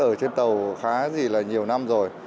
ở trên tàu khá nhiều năm rồi